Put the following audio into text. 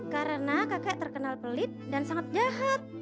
karena kakek terkenal pelit dan sangat jahat